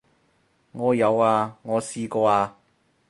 我有啊，我試過啊